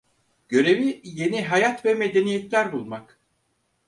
Görevi, yeni hayat ve medeniyetler bulmak…